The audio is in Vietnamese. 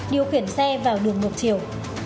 điều khiển xe vào đường ngược chiều